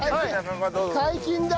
解禁だ！